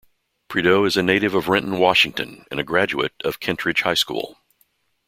Prideaux is a native of Renton, Washington and a graduate of Kentridge High School.